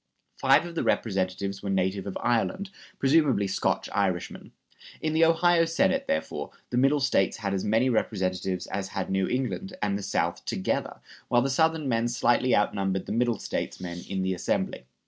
Five of the Representatives were native of Ireland, presumably Scotch Irishmen. In the Ohio Senate, therefore, the Middle States had as many representatives as had New England and the South together, while the Southern men slightly outnumbered the Middle States men in the Assembly.